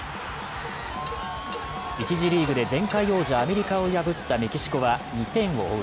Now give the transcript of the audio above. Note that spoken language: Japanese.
１次リーグで前回王者・アメリカを破ったメキシコは２点を追う